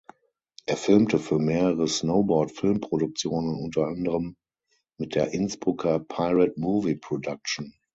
Er filmte für mehrere Snowboard Filmproduktionen, unter anderem mit der Innsbrucker Pirate Movie Production.